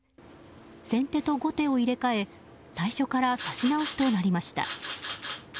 先手と後手を入れ替え最初からさし直しとなりました。